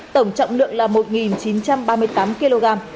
tổng trọng lượng là một chín trăm ba mươi tám kg